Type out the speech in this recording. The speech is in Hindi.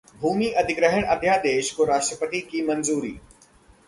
भूमि अधिग्रहण अध्यादेश को राष्ट्रपति की मंजूरी